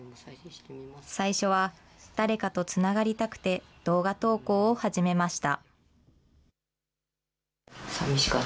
最初は、誰かとつながりたくて、動画投稿を始めました。